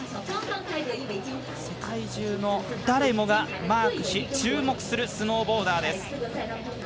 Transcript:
世界中の誰もがマークし注目するスノーボーダーです。